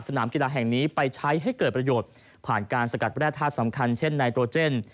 สนามกีฬาแห่งนี้ไปใช้ให้เกิดประโยชน์ผ่านการสกัดแร่ธาตุสำคัญเช่นไนโตรเจน